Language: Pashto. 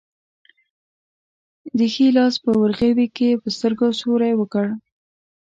د ښي لاس په ورغوي کې یې په سترګو سیوری وکړ.